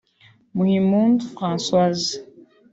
Muhimpundu Francoise